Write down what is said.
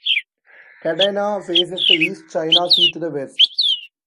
Kadena faces the East China Sea to the west.